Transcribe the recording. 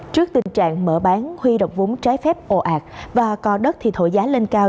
trước tình trạng mở bán huy động vốn trái phép ồ ạc và co đất thì thổi giá lên cao